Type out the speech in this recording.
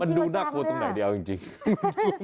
มันดูน่ากลัวตรงไหนดีเอาจริง